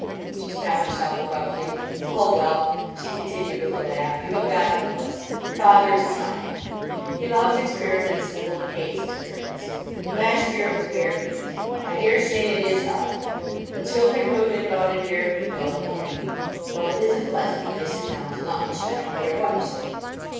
She stopped herself abruptly. "Oh, well," she continued with a laugh, "you have got to know us. Father is trying. He loves experiments, and a woman hates experiments. Last year it was bare feet. I daresay it is healthier. But children who have been about in bare feet all the morning—well, it isn't pleasant when they sit down to lunch; I don't care what you say.